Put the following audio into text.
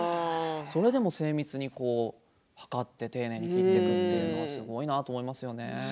それでも精密に測って丁寧に切っているというのがすごいなと思いますよね。